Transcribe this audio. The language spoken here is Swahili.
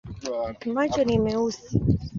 Macho ni meusi.